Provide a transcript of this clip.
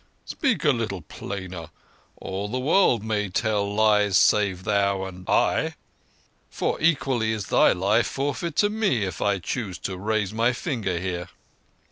"Speak a little plainer. All the world may tell lies save thou and I. For equally is thy life forfeit to me if I chose to raise my finger here."